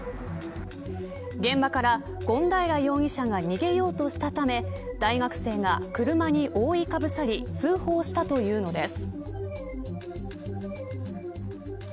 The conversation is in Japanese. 現場から権平容疑者が逃げようとしたため大学生が車に覆いかぶさり通報したというのです。